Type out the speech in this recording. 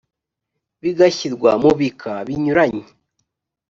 bigashyirwa mu bika binyuranye